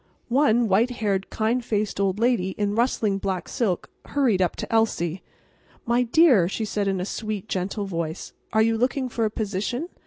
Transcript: One white haired, kind faced old lady in rustling black silk hurried up to Elsie. "My dear," she said in a sweet, gentle voice, "are you looking for a position?